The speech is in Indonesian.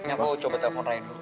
mah ya aku coba telepon raya dulu